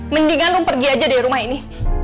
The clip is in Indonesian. mendingan lu pergi aja deh rumah ini